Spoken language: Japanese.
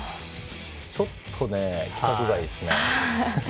ちょっと、規格外ですね。